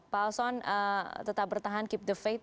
pak alson tetap bertahan keep the faith